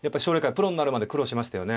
プロになるまで苦労しましたよね。